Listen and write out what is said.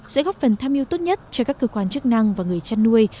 sẽ góp phần tham mưu tốt nhất cho các cơ quan chức năng và người chăn nuôi